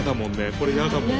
これ嫌だもん。